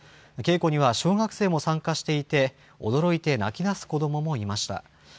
稽古には小学生も参加していて、驚いて泣きだす子どももいました。